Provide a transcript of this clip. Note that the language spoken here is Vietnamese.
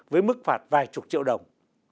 với mức phạt vài chục triệu đồng